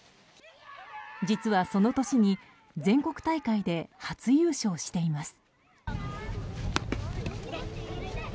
実は、その年に全国大会で初優勝しています。